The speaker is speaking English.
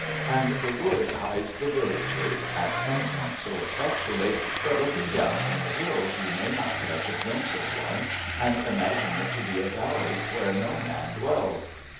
And the wood hides the villages, at some points so effectually that looking down from the hills you may not catch a glimpse of one and imagine it to be a valley where no man dwells.